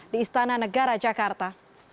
di istana negara jakarta